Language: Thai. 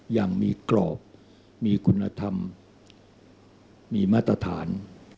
อย่างมีกรอบมีคุณธรรมมีมาตรฐาน